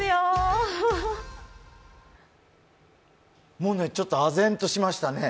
もうね、ちょっと唖然としましたね。